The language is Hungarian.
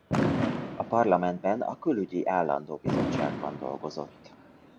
A parlamentben a külügyi állandó bizottságban dolgozott.